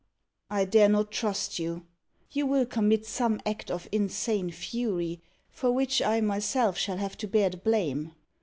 "I dare not trust you. You will commit some act of insane fury, for which I myself shall have to bear the blame.